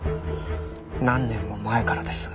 何年も前からです。